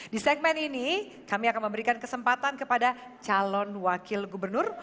di segmen ini kami akan memberikan kesempatan kepada calon wakil gubernur